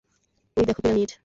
ওই দেখো পিরামিড।